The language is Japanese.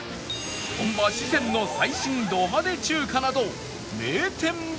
本場四川の最新ド派手中華など名店だらけ！